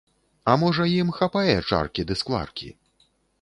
А можа ім хапае чаркі ды скваркі?